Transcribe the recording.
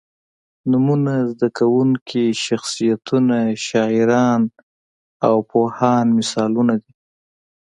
نومونه، زده کوونکي، شخصیتونه، شاعران او پوهان مثالونه دي.